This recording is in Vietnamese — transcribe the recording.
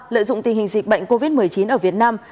lợi dụng tình hình dịch bệnh covid một mươi chín ở việt nam